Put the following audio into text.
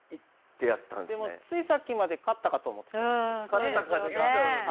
でもついさっきまで勝ったかと思ってたわけですね。